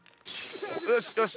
よしよし！